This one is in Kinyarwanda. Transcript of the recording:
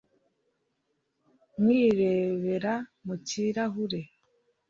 nkirebera mu kirahure